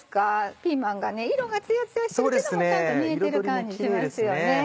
ピーマンが色がツヤツヤしてるけどもちゃんと煮えてる感じしますよね。